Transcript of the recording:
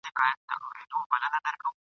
د واسکټونو دوکانونه ښيي !.